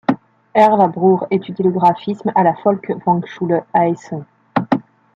Erlbruch étudie le graphisme à la Folkwang-Schule à Essen.